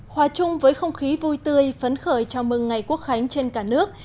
hòa chung với không khí vui tươi phấn khởi chào mừng ngày quốc khánh trên cả nước